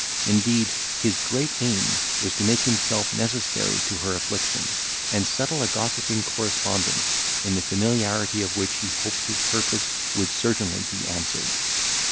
Indeed, his great aim was to make himself necessary to her affliction, and settle a gossiping correspondence, in the familiarity of which he hoped his purpose would certainly be answered.